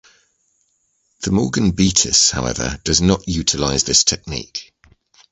The Morgan Beatus, however, does not utilize this technique.